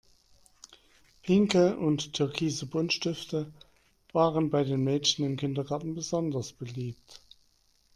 Pinke und türkise Buntstifte waren bei den Mädchen im Kindergarten besonders beliebt.